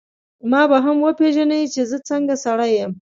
ما به هم وپېژنې چي زه څنګه سړی یم.